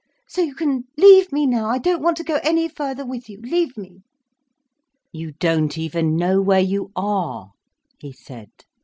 So you can leave me now, I don't want to go any further with you—leave me—" "You don't even know where you are," he said.